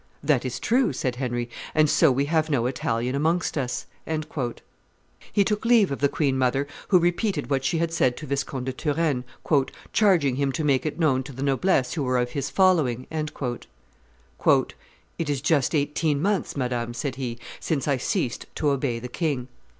"That is true," said Henry: "and so we have no Italian amongst us." He took leave of the queen mother, who repeated what she had said to Viscount de Turenne, "charging him to make it known to the noblesse who were of his following." "It is just eighteen months, madame," said he, "since I ceased to obey the king.